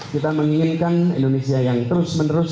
kita menginginkan indonesia yang terus menerus